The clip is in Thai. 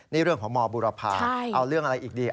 นี่เรื่องของมบุรพาเอาเรื่องอะไรอีกดี